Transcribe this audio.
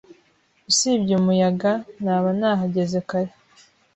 Usibye umuyaga, naba nahageze kare.